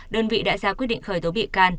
đơn vị đại gia quyết định khai báo